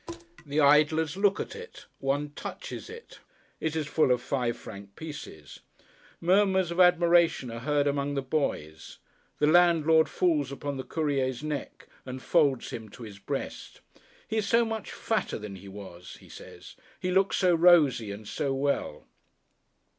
The idlers look at it; one touches it. It is full of five franc pieces. Murmurs of admiration are heard among the boys. The landlord falls upon the Courier's neck, and folds him to his breast. He is so much fatter than he was, he says! He looks so rosy and so well!